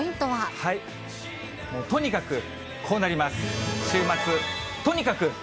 もうとにかくこうなります。